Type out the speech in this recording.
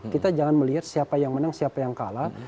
kita jangan melihat siapa yang menang siapa yang kalah